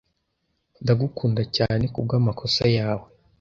Ndagukunda cyane kubwamakosa yawe.